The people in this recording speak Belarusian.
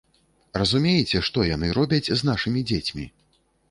Разумееце, што яны робяць з нашымі дзецьмі?